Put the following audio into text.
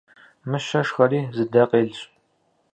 Мыщэ шхэри зы дэ къелщ.